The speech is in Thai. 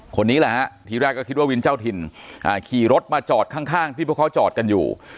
คนนี้แหละฮะทีแรกก็คิดว่าวินเจ้าถิ่นขี่รถมาจอดข้างที่พวกเขาจอดกันอยู่